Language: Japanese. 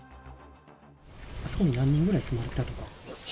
あそこに何人ぐらい住まれてたとか。